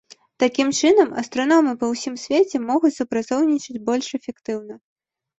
Такім чынам, астраномы па ўсім свеце могуць супрацоўнічаць больш эфектыўна.